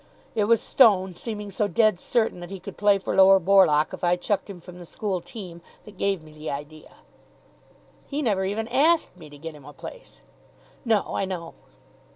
It was Stone seeming so dead certain that he could play for Lower Borlock if I chucked him from the school team that gave me the idea." "He never even asked me to get him a place." "No, I know."